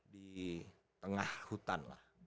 di tengah hutan lah